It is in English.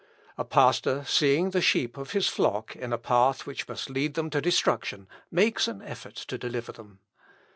A pastor seeing the sheep of his flock in a path which must lead them to destruction, makes an effort to deliver them.